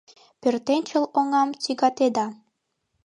Пӧртӧнчыл оҥам тӱгатеда.